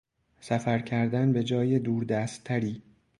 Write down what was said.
سفر کردن به جای دوردستتری